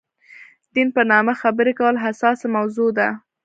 دین په نامه خبرې کول حساسه موضوع ده.